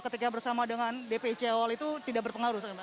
pratiknya bersama dengan bpj awal itu tidak berpengaruh